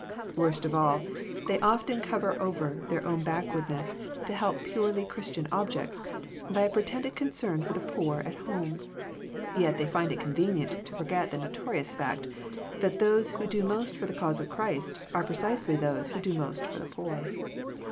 Worst of all, they often cover over their own backwardness to help purely Christian objects, by a pretended concern for the poor at home. Yet they find it convenient to forget the notorious fact that those who do most for the cause of Christ are pre cisely those who do most for the poor.